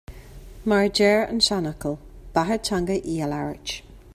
Mar a deir an seanfhocal "Beatha Teanga í a Labhairt".